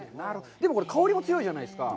でも、香りも強いじゃないですか。